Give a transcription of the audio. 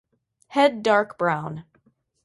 Head dark brown.